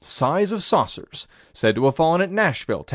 Size of saucers. Said to have fallen at Nashville, Tenn.